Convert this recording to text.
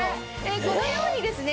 このようにですね